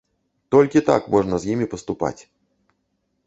Толькі так можна з імі паступаць.